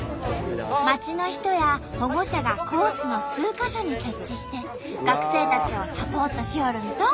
町の人や保護者がコースの数か所に設置して学生たちをサポートしよるんと。